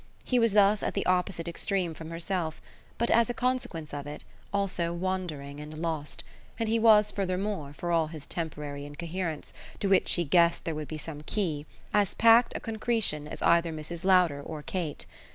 He was thus at the opposite extreme from herself, but, as a consequence of it, also wandering and lost; and he was furthermore, for all his temporary incoherence, to which she guessed there would be some key, as packed a concretion as either Mrs. Lowder or Kate.